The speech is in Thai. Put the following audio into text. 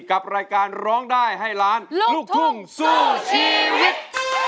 กับรายการร้องได้ให้ล้านลูกทุ่งสู้ชีวิต